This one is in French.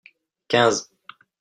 quinze.